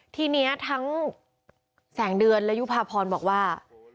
ทีนี้ทั้งแสงเดือนและยุภาพรบอกว่า